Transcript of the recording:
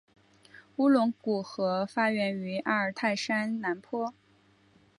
乌伦古河发源于阿尔泰山南坡。